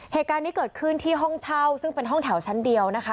เหตุการณ์นี้เกิดขึ้นที่ห้องเช่าซึ่งเป็นห้องแถวชั้นเดียวนะคะ